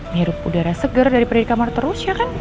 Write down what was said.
mirup udara segar dari periode kamar terus ya kan